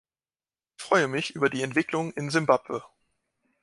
Ich freue mich über die Entwicklung in Simbabwe.